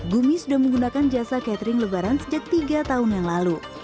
gumi sudah menggunakan jasa catering lebaran sejak tiga tahun yang lalu